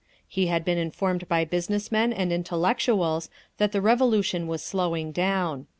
He had been informed by business men and intellectuals that the Revolution was slowing down.